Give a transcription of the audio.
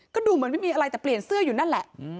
ก็ดูเหมือนไม่มีอะไรแต่เปลี่ยนเสื้ออยู่นั่นแหละ